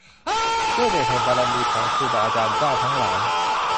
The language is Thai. ด้วยเดชแห่งบารมีของครูบาอาจารย์เจ้าทั้งหลาย